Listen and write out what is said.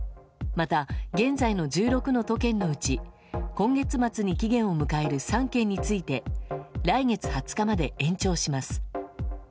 また、現在の１６の都県のうち今月末に期限を迎える３県について来月２０日まで延長します。